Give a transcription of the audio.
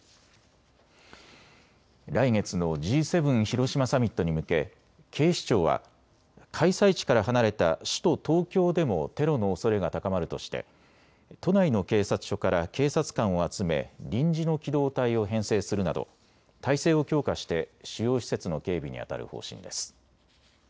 来月のＧ７広島サミットに向け警視庁は開催地から離れた首都東京でもテロのおそれが高まるとして都内の警察署から警察官を集め臨時の機動隊を編制するなど態勢を強化して主要施設の警備にあたる方針です。